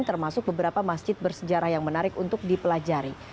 termasuk beberapa masjid bersejarah yang menarik untuk dipelajari